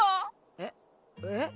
えっえっ？